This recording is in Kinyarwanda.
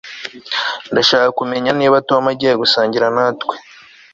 Ndashaka kumenya niba Tom agiye gusangira natwe